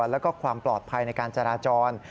แล้วก็ความปลอดภัยในการจราจร